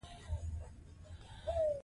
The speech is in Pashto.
ښه چلند وکړئ.